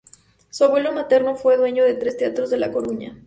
Su abuelo materno fue dueño de tres teatros en La Coruña.